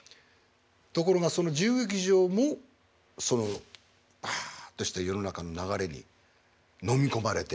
ところがその自由劇場もそのワッとした世の中の流れにのみ込まれて。